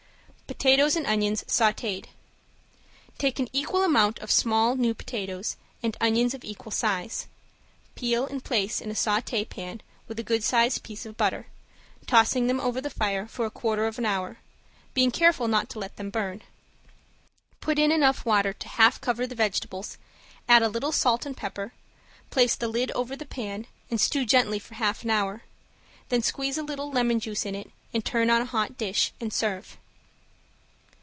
~POTATOES AND ONIONS SAUTED~ Take an equal amount of small new potatoes and onions of equal size, peel and place in a saute pan with a good sized piece of butter, tossing them over the fire for a quarter of an hour, being careful not to let them burn. Put in enough water to half cover the vegetables, add a little salt and pepper, place the lid over the pan and stew gently for half an hour, then squeeze a little lemon juice in it and turn on a hot dish, and serve.